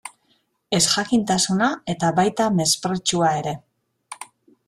Ezjakintasuna, eta baita mespretxua ere.